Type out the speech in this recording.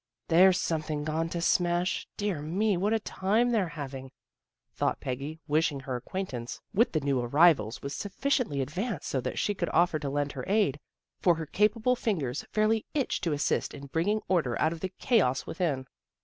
" There's something gone to smash. Dear me, what a tune they're having," thought Peggy, wishing her acquaintance with the new arrivals was sufficiently advanced so that she could offer to lend her aid, for her capable fingers fairly itched to assist in bringing order out of the chaos within.